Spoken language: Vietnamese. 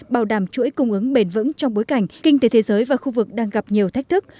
bảo đảm chuỗi cung ứng bền vững trong bối cảnh kinh tế thế giới và khu vực đang gặp nhiều thách thức